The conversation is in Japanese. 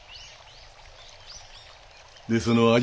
でその味